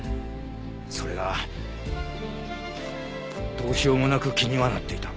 それがどうしようもなく気にはなっていた。